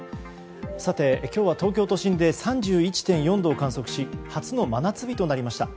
さて、今日は東京都心で３１．４度を観測し初の真夏日となりました。